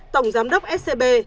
tổng giám đốc scb